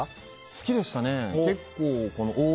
好きでしたね。